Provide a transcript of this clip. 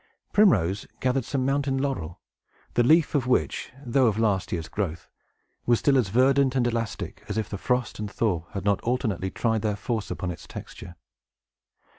Primrose gathered some mountain laurel, the leaf of which, though of last year's growth, was still as verdant and elastic as if the frost and thaw had not alternately tried their force upon its texture.